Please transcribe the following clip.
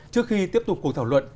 trước khi tiếp tục cuộc thảo luận